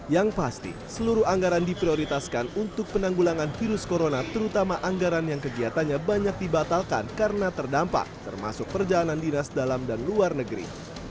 yang pasti seluruh anggaran diprioritaskan untuk penanggulangan virus corona terutama anggaran yang kegiatannya banyak dibatalkan karena terdampak termasuk perjalanan dinas dalam dan luar negeri